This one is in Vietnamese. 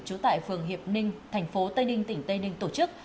trú tại phường hiệp ninh tp tây ninh tỉnh tây ninh tổ chức